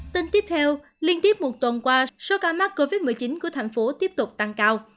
tin tiếp theo liên tiếp một tuần qua số ca mắc covid một mươi chín của thành phố tiếp tục tăng cao